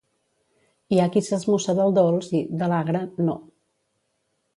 Hi ha qui s'esmussa del dolç i, de l'agre, no.